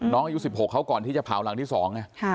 น้องอายุสิบหกเขาก่อนที่จะพาวรังที่สอง